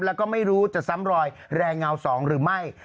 แล้วก็ไม่รู้จะซ้ำรอยแรงเงา๒หรือไม่